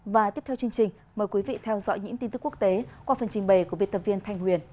và tiếp theo chương trình mời quý vị theo dõi những tin tức quốc tế qua phần trình bày của biên tập viên thanh huyền